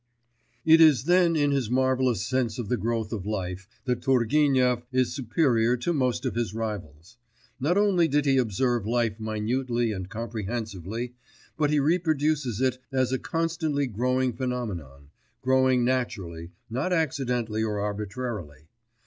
It is then in his marvellous sense of the growth of life that Turgenev is superior to most of his rivals. Not only did he observe life minutely and comprehensively, but he reproduces it as a constantly growing phenomenon, growing naturally, not accidentally or arbitrarily.